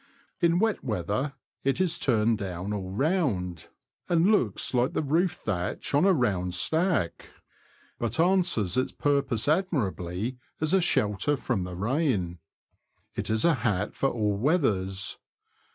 In wet weather it is turned down all round, and looks like the roof S 2 260 THE LAND OF THE BROADS. thatch on a round stack, but answers its purpose admirably as a shelter from the rain. It is a hat for all weathers.